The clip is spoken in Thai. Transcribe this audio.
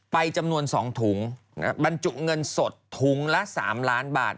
จำนวน๒ถุงบรรจุเงินสดถุงละ๓ล้านบาท